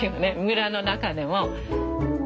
村の中でも。